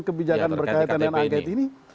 kebijakan berkaitan dengan angket ini